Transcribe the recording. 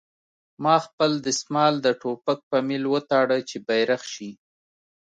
ما خپل دسمال د ټوپک په میل وتاړه چې بیرغ شي